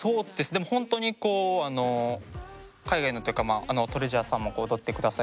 でもほんとにこう海外のっていうかＴＲＥＡＳＵＲＥさんも踊って下さいましたし。